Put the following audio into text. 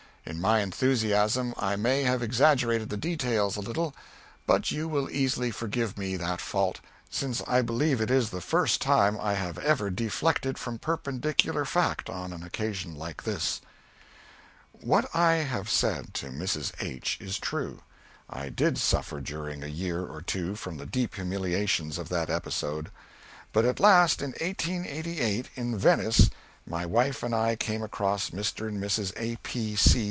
In my enthusiasm I may have exaggerated the details a little, but you will easily forgive me that fault, since I believe it is the first time I have ever deflected from perpendicular fact on an occasion like this. What I have said to Mrs. H. is true. I did suffer during a year or two from the deep humiliations of that episode. But at last, in 1888, in Venice, my wife and I came across Mr. and Mrs. A. P. C.